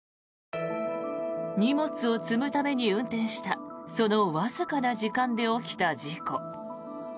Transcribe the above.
荷物を積むために運転したそのわずかな時間で起きた事故。